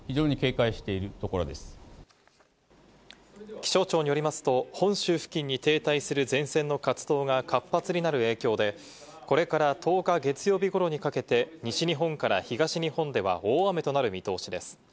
気象庁によりますと、本州付近に停滞する前線の活動が活発になる影響で、これから１０日、月曜日頃にかけて、西日本から東日本では大雨となる見通しです。